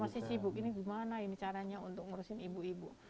masih sibuk ini gimana ini caranya untuk ngurusin ibu ibu